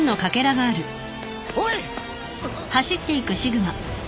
おい！